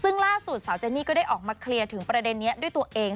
ซึ่งล่าสุดสาวเจนี่ก็ได้ออกมาเคลียร์ถึงประเด็นนี้ด้วยตัวเอง